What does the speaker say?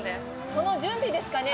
その準備ですかね？